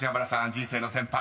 人生の先輩］